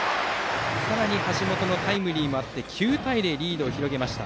さらに橋本のタイムリーもあって９対０とリードを広げました。